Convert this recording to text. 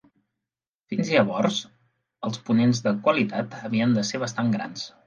Fins llavors, els ponents de qualitat havien de ser bastant grans.